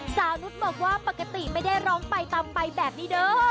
นุษย์บอกว่าปกติไม่ได้ร้องไปตำไปแบบนี้เด้อ